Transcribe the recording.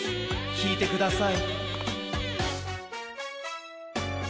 きいてください。